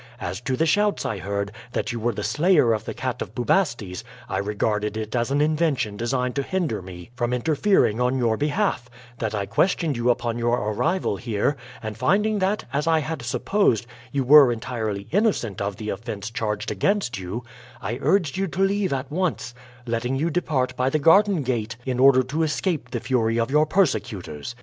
As to the shouts I heard, that you were the slayer of the Cat of Bubastes, I regarded it as an invention designed to hinder me from interfering on your behalf; that I questioned you upon your arrival here, and finding that, as I had supposed, you were entirely innocent of the offense charged against you, I urged you to leave at once, letting you depart by the garden gate in order to escape the fury of your persecutors.